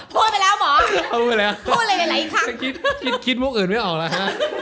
พูดไปแล้วหมอพูดไปแล้วพูดอะไรหลายครั้งคิดคิดมุกอื่นไม่ออกแล้วฮะ